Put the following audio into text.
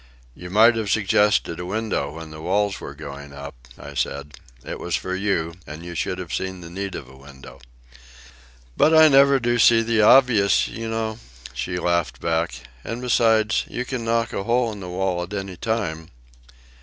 "You might have suggested a window when the walls were going up," I said. "It was for you, and you should have seen the need of a window." "But I never do see the obvious, you know," she laughed back. "And besides, you can knock a hole in the wall at any time."